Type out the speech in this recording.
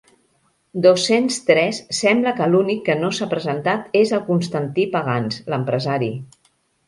Dos-cents tres sembla que l'únic que no s'ha presentat és el Constantí Pagans, l'empresari.